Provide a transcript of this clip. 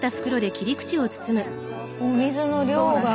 お水の量が。